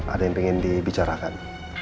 ada yang pengen dibicarakan